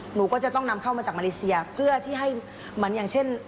หนูก็จะต้องนำเข้ามาจากมาเลเซียเพื่อที่ให้เหมือนอย่างเช่น